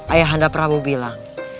ayah anda prabu bilang